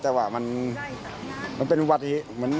แต่ว่ามันเป็นประวัติเหมือน